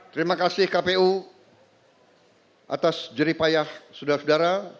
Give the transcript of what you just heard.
terima kasih kpu atas jeripayah saudara saudara